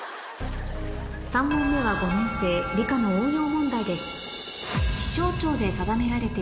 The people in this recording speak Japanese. ３問目は５年生理科の応用問題です